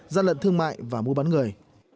gian lận thương mại và mua bán người